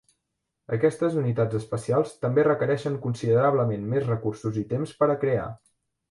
Aquestes unitats especials també requereixen considerablement més recursos i temps per a crear.